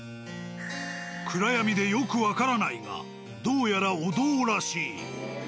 暗闇でよくわからないがどうやらお堂らしい。